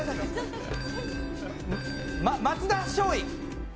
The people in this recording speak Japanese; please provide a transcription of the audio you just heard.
松田松陰。